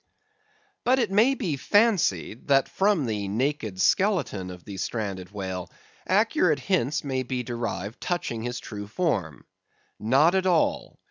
But it may be fancied, that from the naked skeleton of the stranded whale, accurate hints may be derived touching his true form. Not at all.